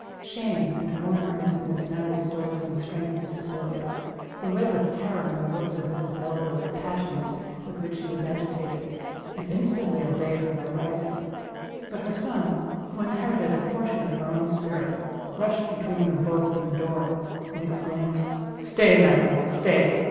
Shame, and her own earnestness, how restored some strength to Cecilia, who read with terror in the looks of Mrs Delvile the passions with which she was agitated, and instantly obeyed her by rising; but her son, who inherited a portion of her own spirit, rushed between them both and the door, and exclaimed, "Stay, madam, stay!